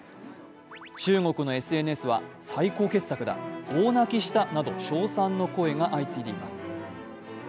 中国のＳＮＳは、最高傑作だ、大泣きしたなどと称賛の声が相次いでいます。